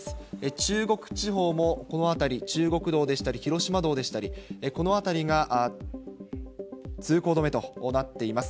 中国地方もこの辺り、中国道でしたり広島道でしたり、この辺りが通行止めとなっています。